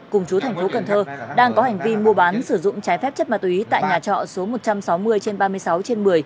cùng chú tp cn đang có hành vi mua bán sử dụng trái phép chất ma túy tại nhà trọ số một trăm sáu mươi trên ba mươi sáu trên một mươi